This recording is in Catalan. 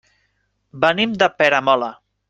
Venim de Peramola.